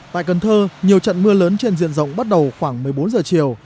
tại cần thơ nhiều trận mưa lớn trên diện rộng bắt đầu khoảng một mươi bốn giờ chiều